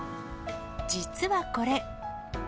実はこれ。